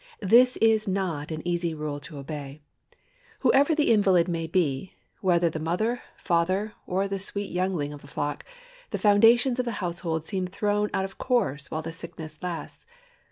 This is not an easy rule to obey. Whoever the invalid may be, whether the mother, father, or the sweet youngling of the flock, the foundations of the household seem thrown out of course while the sickness lasts.